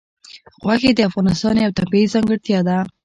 غوښې د افغانستان یوه طبیعي ځانګړتیا ده.